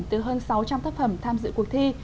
từ hơn sáu trăm linh tác phẩm tham dự cuộc thi